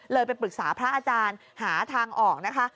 ไปปรึกษาพระอาจารย์หาทางออกนะคะ